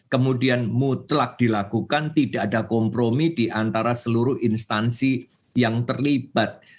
kemudian mutlak dilakukan tidak ada kompromi di antara seluruh instansi yang terlibat